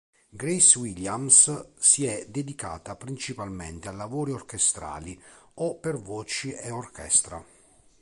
Grace Williams, si è dedicata principalmente a lavori orchestrali o per voci e orchestra.